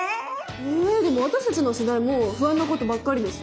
えでも私たちの世代も不安なことばっかりですよ。